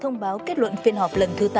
thông báo kết luận phiên họp lần thứ tám